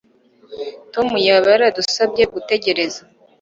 tom yaba yaradusabye gutegereza